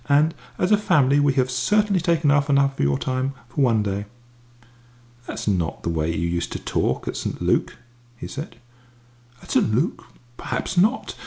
"And, as a family, we have certainly taken up quite enough of your time for one day." "That is not the way you used to talk at St. Luc!" he said. "At St. Luc? Perhaps not.